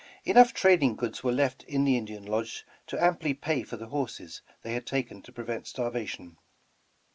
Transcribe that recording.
Enough trading goods were left in the Indian lodge to amply pay for the horses they had taken to prevent starvation.